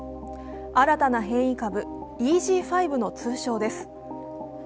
新たな変異株・ＥＧ．５の通称です。